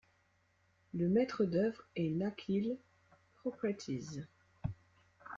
Le maître d'œuvre est Nakheel Properties.